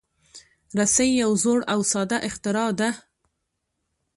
رسۍ یو زوړ او ساده اختراع ده.